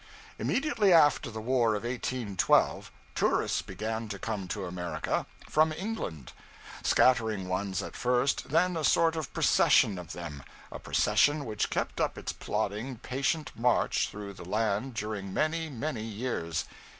Immediately after the war of 1812, tourists began to come to America, from England; scattering ones at first, then a sort of procession of them a procession which kept up its plodding, patient march through the land during many, many years.